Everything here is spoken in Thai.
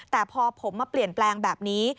แต่พอผมมาเปลี่ยนแปลงแบบนี้